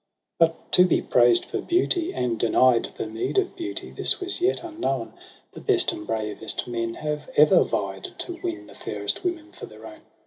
8 But to be praised for beauty and denied The meed of beauty, this was yet unknown : The best and bravest men have ever vied To win the fairest women for their own.